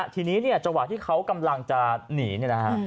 ทีนี้เนี่ยจังหวะที่เขากำลังจะหนีเนี่ยนะฮะ